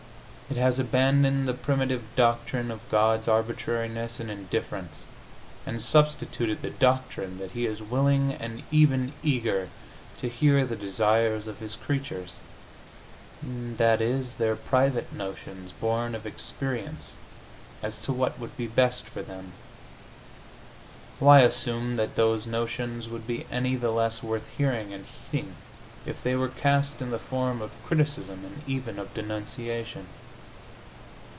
It has abandoned the primitive doctrine of God's arbitrariness and indifference, and substituted the doctrine that He is willing, and even eager, to hear the desires of His creatures i. e., their private notions, born of experience, as to what would be best for them. Why assume that those notions would be any the less worth hearing and heeding if they were cast in the form of criticism, and even of denunciation?